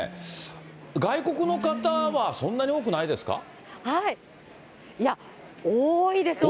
外国の方は、そんなに多くないですか？